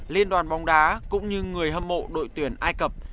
liên đoàn bóng đá cũng như người hâm mộ đội tuyển egypt